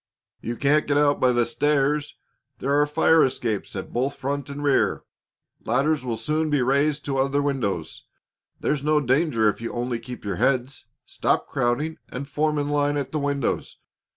"You can't get out by the stairs! There are fire escapes at both front and rear. Ladders will soon be raised to the other windows. There's no danger if you only keep your heads. Stop crowding and form in line at the windows.